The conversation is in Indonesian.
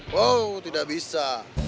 wow tidak bisa